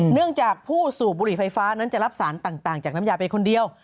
เนื่องจากผู้สูบบุหรี่ไฟฟ้านั้นจะรับสารต่างจากน้ำยาไปคนเดียว